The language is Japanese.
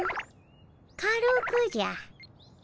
軽くじゃ。